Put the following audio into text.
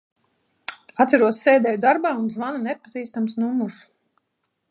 Atceros, sēdēju darbā un zvana nepazīstams numurs.